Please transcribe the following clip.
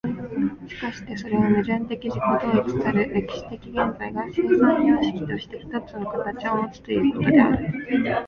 しかしてそれは矛盾的自己同一たる歴史的現在が、生産様式として一つの形をもつということである。